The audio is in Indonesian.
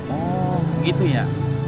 oh gitu ya